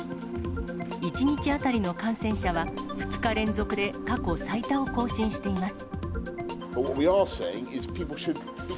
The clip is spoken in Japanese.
１日当たりの感染者は２日連続で過去最多を更新しています。